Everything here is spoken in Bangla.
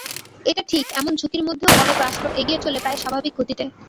এটি ঠিক, এমন ঝুঁকির মধ্যেও অনেক রাষ্ট্র এগিয়ে চলে প্রায় স্বাভাবিক গতিতে।